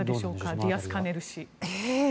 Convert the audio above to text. ディアスカネル氏。